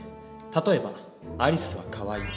例えばアリスはかわいい。